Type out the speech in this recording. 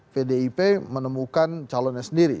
pdip menemukan calonnya sendiri